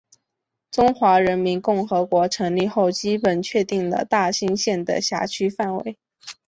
中华人民共和国成立后基本确定了大兴县的辖区范围。